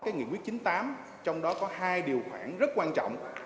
cái nghị quyết chín mươi tám trong đó có hai điều khoản rất quan trọng